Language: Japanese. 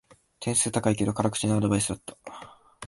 点数高いけど辛口なアドバイスだった